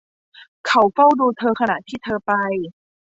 เขาเฝ้าดูเธอขณะที่เธอไป